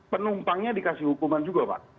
penumpangnya dikasih hukuman juga pak